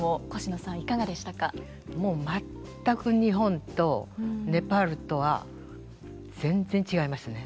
もう全く日本とネパールとは全然違いますね。